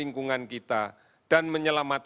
untuk bikin lebih jauh